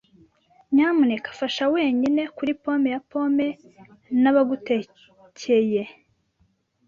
Nyamuneka fasha wenyine kuri pome ya pome. Nabagutekeye.